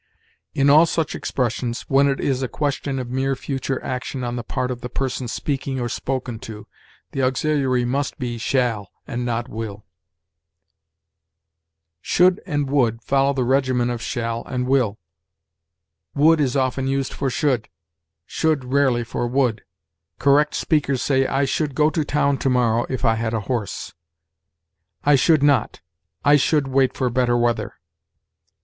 In all such expressions, when it is a question of mere future action on the part of the person speaking or spoken to, the auxiliary must be shall, and not will. Should and would follow the regimen of shall and will. Would is often used for should; should rarely for would. Correct speakers say, "I should go to town to morrow if I had a horse." "I should not; I should wait for better weather."